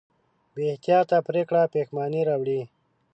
بېاحتیاطه پرېکړې پښېمانۍ راوړي.